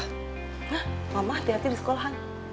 hah mama hati hati di sekolah